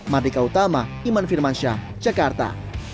mardika utama iman firmansyah jakarta